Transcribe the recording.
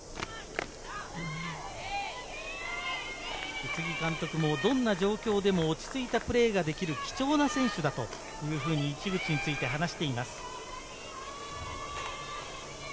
宇津木監督もどんな状況でも落ち着いたプレーができる貴重な選手だと市口について話しています。